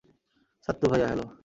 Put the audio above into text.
সাত্তু ভাইয়া, হ্যালো।